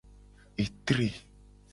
Etre.